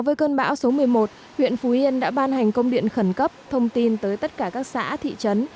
với cơn bão số một mươi một huyện phú yên đã ban hành công điện khẩn cấp thông tin tới tất cả các xã thị trấn